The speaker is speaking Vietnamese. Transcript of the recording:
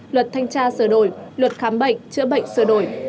luật thanh tra sở đổi luật khám bệnh chữa bệnh sửa đổi